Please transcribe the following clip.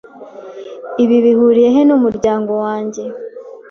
Ibi bihuriye he n'umuryango wanjye?